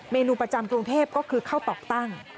นูประจำกรุงเทพก็คือข้าวปอกตั้ง